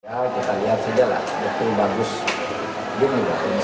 kita lihat saja lah betul bagus dunia